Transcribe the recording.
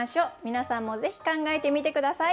皆さんもぜひ考えてみて下さい。